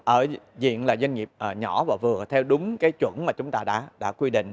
ở diện là doanh nghiệp nhỏ và vừa theo đúng cái chuẩn mà chúng ta đã quy định